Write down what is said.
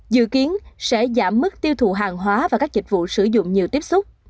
dự kiến sẽ giảm mức tiêu thụ hàng hóa và các dịch vụ sử dụng nhiều tiếp xúc